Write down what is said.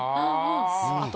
ああ。